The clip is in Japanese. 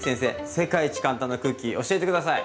世界一簡単なクッキー教えて下さい。